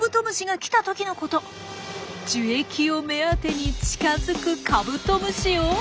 樹液を目当てに近づくカブトムシを。